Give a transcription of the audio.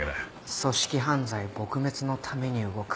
組織犯罪撲滅のために動く